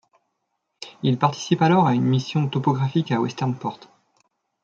Il participe alors à une mission topographique à Western Port.